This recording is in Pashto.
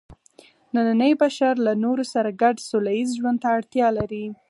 نننی بشر له نورو سره ګډ سوله ییز ژوند ته اړتیا لري.